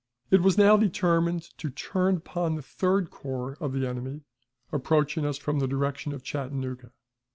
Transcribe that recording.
It was now determined to turn upon the Third Corps of the enemy, approaching us from the direction of Chattanooga.